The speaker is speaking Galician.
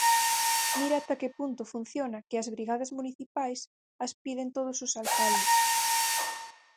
Mire ata que punto funciona que as brigadas municipais as piden todos os alcaldes.